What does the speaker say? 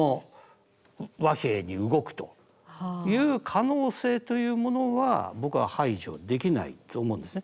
和平に動くという可能性というものは僕は排除できないと思うんですね。